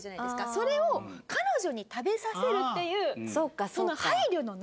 それを彼女に食べさせるっていうその配慮のなさ。